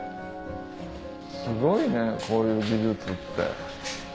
すごいねこういう技術って。